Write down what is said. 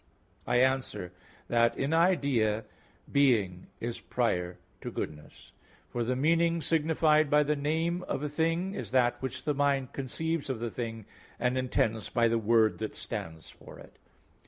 I answer that, In idea being is prior to goodness. For the meaning signified by the name of a thing is that which the mind conceives of the thing and intends by the word that stands for it.